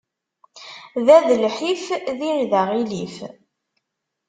Da d lḥif, din d aɣilif.